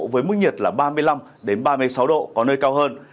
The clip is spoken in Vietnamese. với mức nhiệt là ba mươi năm ba mươi sáu độ có nơi cao hơn